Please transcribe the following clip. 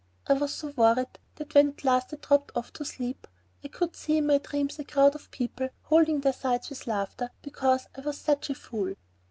I was so worried that, when at last I dropped off to sleep, I could see in my dreams a crowd of people holding their sides with laughter because I was such a fool.